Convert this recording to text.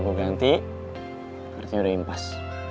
mau ganti artinya udah impas